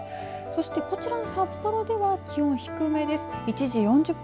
そしてこちらも札幌では気温低めです。